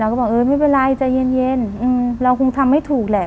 แล้วก็บอกเออไม่เป็นไรใจเย็นเย็นอืมเราคงทำให้ถูกแหละ